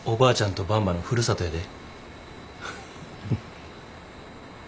とばんばのふるさとやで。